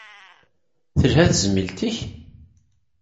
Telha tezmilt-ik?